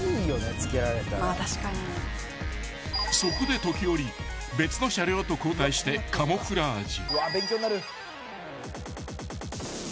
［そこで時折別の車両と交代してカモフラージュ］